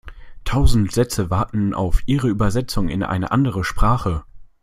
Tausende Sätze warten auf ihre Übersetzung in eine andere Sprache.